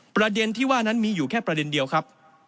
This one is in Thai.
ประเด็นที่ว่านั้นมีอยู่แค่ประเด็นเดียวครับ